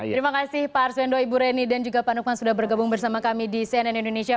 terima kasih pak arswendo ibu reni dan juga pak nukman sudah bergabung bersama kami di cnn indonesia